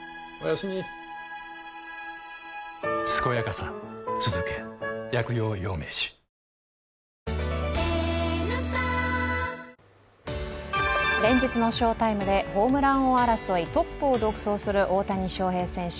すこやかさつづけ薬用養命酒連日の翔タイムでホームラン王争いトップを独走する大谷翔平選手。